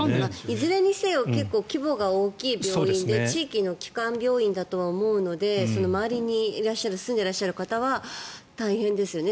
いずれにせよ規模が大きい病院で地域の基幹病院だとは思うので周りに住んでいらっしゃる方は大変ですよね。